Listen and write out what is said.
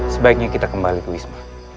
sebaiknya kita kembali ke wisma